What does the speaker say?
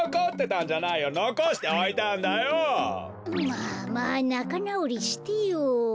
まあまあなかなおりしてよ。